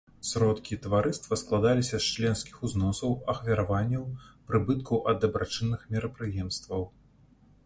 Сродкі таварыства складаліся з членскіх узносаў, ахвяраванняў, прыбыткаў ад дабрачынных мерапрыемстваў.